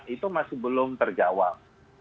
itu masih belum terjawab